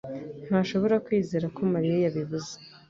ntashobora kwizera ko Mariya yabivuze.